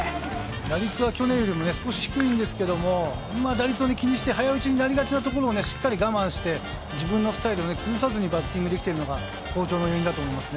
打率は去年より少し低いんですけど打率を気にして早打ちになりがちなところをしっかり我慢して自分のスタイルを崩さずにバッティングできているのが好調の要因だと思います。